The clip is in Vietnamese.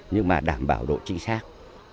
nhưng mà đảm bảo độ chính xác